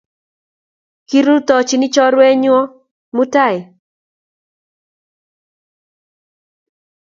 Kirutochini chorwennyo mutai